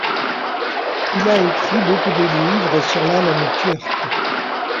Il a écrit beaucoup de livres sur la langue turque.